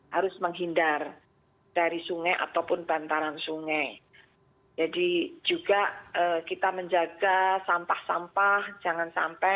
harus menghindar dari sungai ataupun bantaran sungai jadi juga kita menjaga sampah sampah jangan sampai